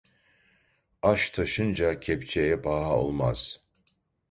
Aş taşınca kepçeye paha olmaz.